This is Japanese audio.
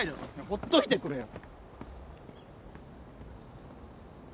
ほっといてくれよ！